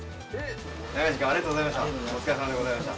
長い時間ありがとうございました。